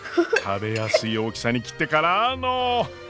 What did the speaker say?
食べやすい大きさに切ってからの。